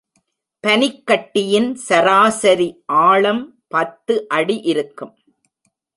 பனிக்கட்டியின் சராசரி ஆழம் பத்து அடி இருக்கும்.